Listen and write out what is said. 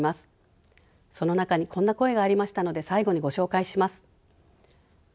その中にこんな声がありましたので最後にご紹介します。